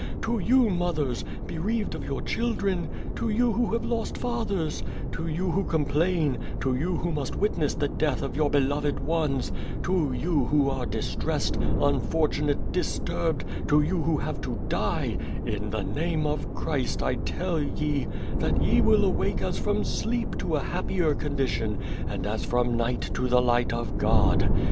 To you, motiiers, bereaved of your children, to you who have lost fathers, to you who com plain, to you who must witness the death of your beloved ones, to you who are distressed, unfortunate, disturbed, to you who have to die — ^in the name of Christ, 1 tell ye that ye will awake as from sleep to a hai)pier condition and as from night to the light of God.